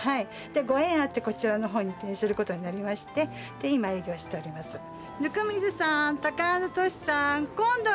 ご縁あってこちらの方に移転することになりまして今営業しております。